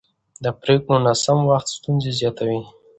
د پرېکړو ناسم وخت ستونزې زیاتوي